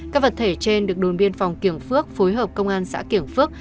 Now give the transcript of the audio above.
các vật thể trên được đồn biên phòng kiểng phước phối hợp công an xã kiểng phước